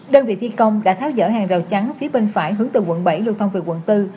đơn vị thi công đã tháo dỡ hàng rào chắn phía bên phải hướng từ quận bảy lưu thông về quận bốn